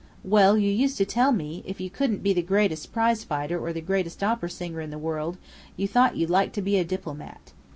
"Well, you used to tell me, if you couldn't be the greatest prize fighter or the greatest opera singer in the world, you thought you'd like to be a diplomat.